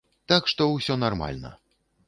Так што ўсё нармальна.